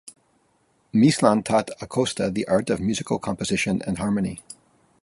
Mislan taught Acosta the art of musical composition and harmony.